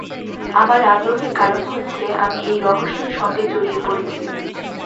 আমার আগ্রহের কারণ হচ্ছে-আমি এই রহস্যের সঙ্গে জড়িয়ে পড়েছি।